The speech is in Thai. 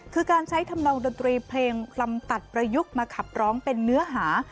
คือการใช้ทำลองดนตรีเพลงลำตัดประยุกต์มาขับร้องเป็นเนื้อหา